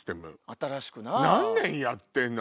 新しくな。何年やってんの？